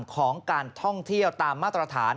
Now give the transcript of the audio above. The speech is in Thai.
ของการท่องเที่ยวตามมาตรฐาน